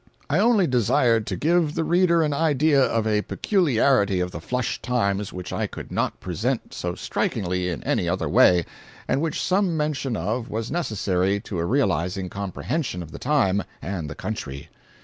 I only desired to give, the reader an idea of a peculiarity of the "flush times" which I could not present so strikingly in any other way, and which some mention of was necessary to a realizing comprehension of the time and the country.